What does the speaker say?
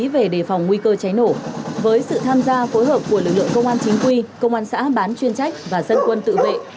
với sự tham gia phối hợp của lực lượng công an chính quy công an xã bán chuyên trách và dân quân tự vệ